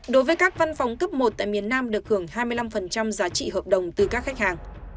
đối với các văn phòng cấp một tại miền nam được hưởng hai mươi năm giá trị hợp đồng từ các khách hàng